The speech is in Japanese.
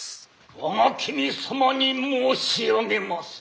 「我が君様に申し上げまする。